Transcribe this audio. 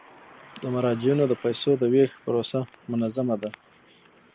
د مراجعینو د پيسو د ویش پروسه منظمه ده.